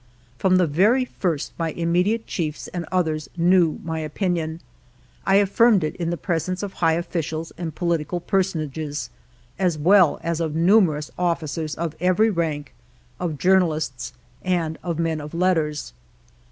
From the very first my immediate chiefs and others knew my opinion. I affirmed it in the presence of high officials and political personages, as well as of numerous officers of every rank, of journalists, and of men of letters.